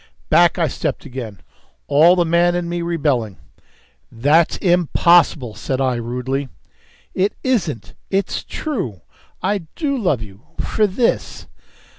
Back I stepped again, all the man in me rebelling. "That's impossible," said I rudely. "It isn't. It's true. I do love you for this!"